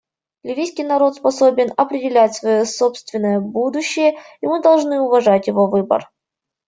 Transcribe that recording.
Ливийский народ способен определять свое собственное будущее, и мы должны уважать его выбор.